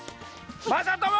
まさとも！